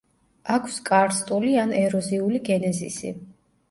აქვს კარსტული ან ეროზიული გენეზისი.